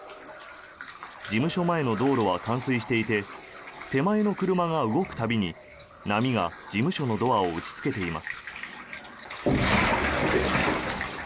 事務所前の道路は冠水していて手前の車が動く度に波が事務所のドアを打ちつけています。